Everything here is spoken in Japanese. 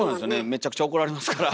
めちゃくちゃ怒られますから。